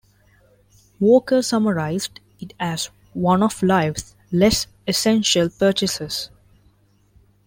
Walker summarized it as one of life's less essential purchases.